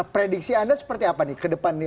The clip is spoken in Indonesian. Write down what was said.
prediksi anda seperti apa nih ke depan nih